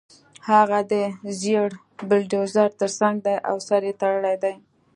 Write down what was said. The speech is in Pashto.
هغه د زېړ بلډیزور ترڅنګ دی او سر یې تړلی دی